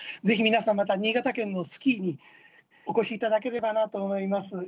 ぜひ皆さんまた新潟県のスキーにお越し頂ければなと思います。